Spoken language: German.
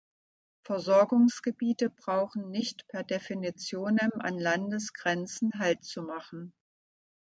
Versorgungsgebiete brauchen nicht per definitionem an Landesgrenzen haltzumachen.